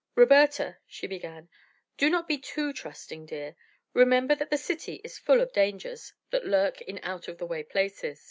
"Roberta," she began, "do not be too trusting, dear. Remember that the city is full of dangers that lurk in out of the way places."